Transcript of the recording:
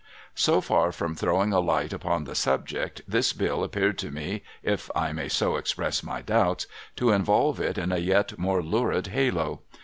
So far from throwing a light upon the subject, this bill appeared to me, if I may so express my doubts, to involve it in a yet more lurid halo.